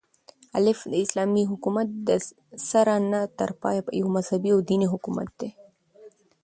الف : اسلامي حكومت دسره نه تر پايه يو مذهبي او ديني حكومت دى